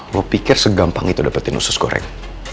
gue pikir segampang itu dapetin usus goreng